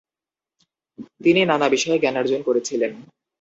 তিনি নানা বিষয়ে জ্ঞানার্জন করেছিলেন।